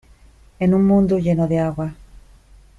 en un mundo lleno de agua,